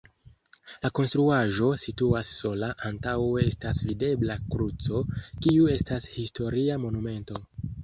La konstruaĵo situas sola, antaŭe estas videbla kruco, kiu estas historia monumento.